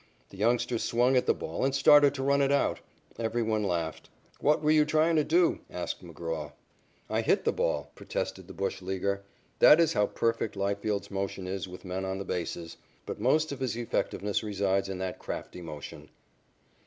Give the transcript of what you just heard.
The youngster swung at the ball and started to run it out. Every one laughed. "What were you trying to do?" asked McGraw. "I hit the ball," protested the bush leaguer. That is how perfect Leifield's motion is with men on the bases. But most of his effectiveness resides in that crafty motion.